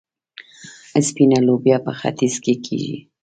سپینه لوبیا په ختیځ کې کیږي.